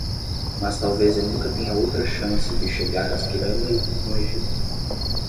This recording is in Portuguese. Mas talvez eu nunca tenha outra chance de chegar às pirâmides no Egito.